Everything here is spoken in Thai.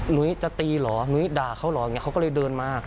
หนุ๊ยจะตีเหรอหนุ๊ยด่าเขาเหรอเขาก็เลยเดินมา